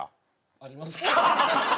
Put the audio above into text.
あります。